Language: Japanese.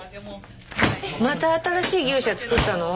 また新しい牛舎造ったの？